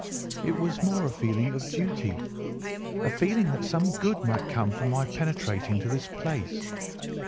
It was more a feeling of duty—a feeling that some good might come from my penetrating to this place.